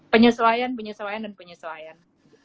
penyesuaian penyesuaian dan penyesuaian